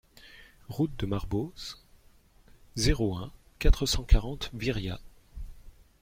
Route de Marboz, zéro un, quatre cent quarante Viriat